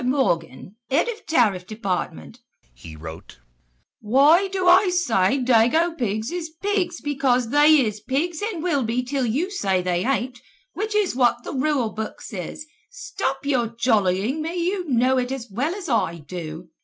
"Mr. Morgan, Head of Tariff Department," he wrote. "Why do I say dago pigs is pigs because they is pigs and will be til you say they ain't which is what the rule book says stop your jollying me you know it as well as I do.